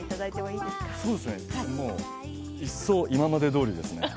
いっそう今までどおりですね。